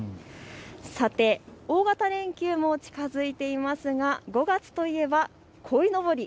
さて大型連休も近づいていますが５月といえば、こいのぼり。